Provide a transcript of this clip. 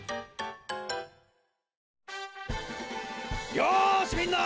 よしみんな！